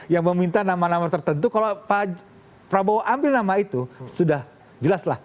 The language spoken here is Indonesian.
yang meminta nama nama tertentu kalau pak prabowo ambil nama itu sudah jelas lah